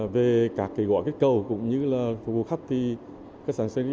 về các kỳ quả kết cầu cũng như là phục vụ khách thì khách sạn zabrin